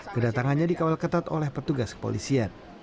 kedatangannya dikawal ketat oleh petugas kepolisian